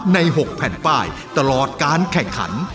๖แผ่นป้ายตลอดการแข่งขัน